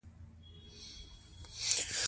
کروندګر د حاصل راټولولو وخت ته اهمیت ورکوي